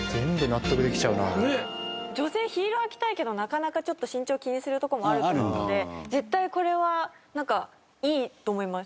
女性ヒール履きたいけどなかなかちょっと身長気にするとこもあると思うので絶対これはいいと思います。